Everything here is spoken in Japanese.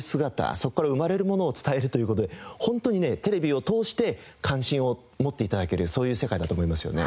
そこから生まれるものを伝えるという事で本当にねテレビを通して関心を持って頂けるそういう世界だと思いますよね。